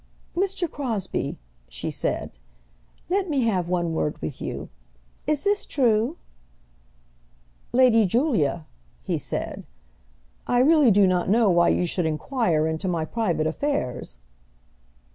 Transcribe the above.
"Mr. Crosbie," she said, "let me have one word with you. Is this true?" "Lady Julia," he said, "I really do not know why you should inquire into my private affairs."